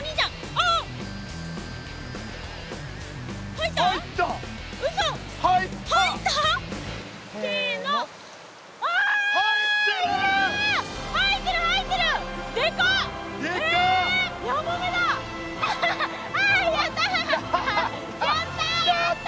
あやった！